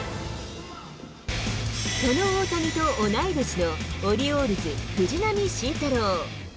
その大谷と同い年のオリオールズ、藤浪晋太郎。